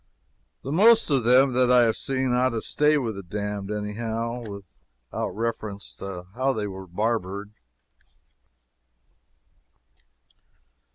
The most of them that I have seen ought to stay with the damned, any how, without reference to how they were barbered.